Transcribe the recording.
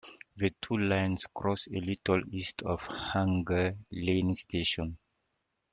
The two lines cross a little east of Hanger Lane station.